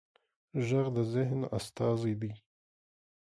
غږ د ذهن استازی دی